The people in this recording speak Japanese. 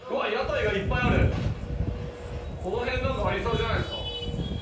この辺何かありそうじゃないですか。